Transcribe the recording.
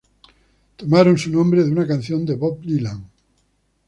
Tomaron su nombre de una canción de Bob Dylan.